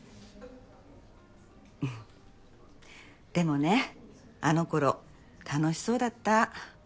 でもねあの頃楽しそうだった。